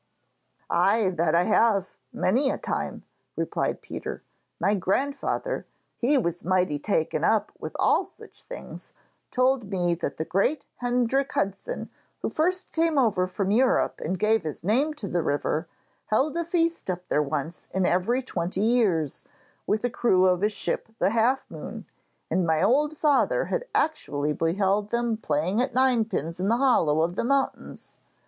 'Ay, that have I, many a time,' replied Peter. 'My grandfather he was mighty taken up with all such things told me that the great Hendrik Hudson who first came over from Europe and gave his name to the river, held a feast up there once in every twenty years, with the crew of his ship the "Half Moon"; and my old father had actually beheld them playing at ninepins in the hollow of the mountains.